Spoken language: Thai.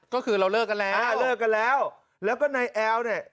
ก็คือเราเลิกกันแล้วเลิกกันแล้วแล้วก็นายแอลเนี่ย